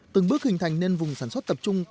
từng bước hình thành nên vùng sản xuất tập trung